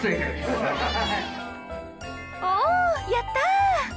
おやった！